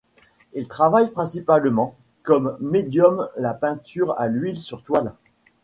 Il travaille principalement comme medium la peinture à l'huile sur toile.